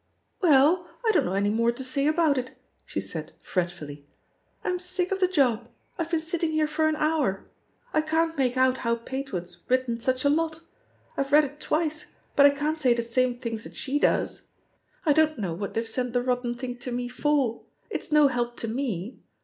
"Well, I don't know any more to say about it," she said fretfully. "I'm sick of the job — ^I've been sitting here for an hour I ••• I can't make out how Pateward's written such a lot. I've read it twice, but I can't say the same things that she does. I don't know what they've sent the rotten thing to me for — ^it's no help to me.